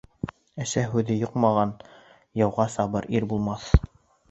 Әсә һүҙе йоҡмаған -Яуға сабыр ир булмаҫ.